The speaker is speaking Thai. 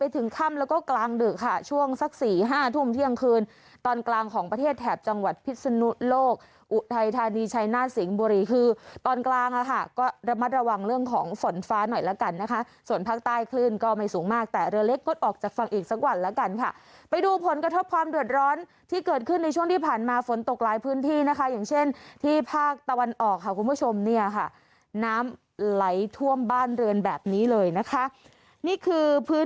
เที่ยงคืนตอนกลางของประเทศแถบจังหวัดพิษนุโลกอุไทยธานีชัยหน้าสิงบุรีคือตอนกลางนะคะก็ระมัดระวังเรื่องของฝนฟ้าหน่อยแล้วกันนะคะส่วนภาคใต้ขึ้นก็ไม่สูงมากแต่เรือเล็กกดออกจากฝั่งอีกสักวันแล้วกันค่ะไปดูผลกระทบความเดือดร้อนที่เกิดขึ้นในช่วงที่ผ่านมาฝนตกร้ายพื้นที่นะคะอย่างเ